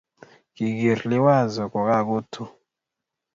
Kiker Liwazo kokakotu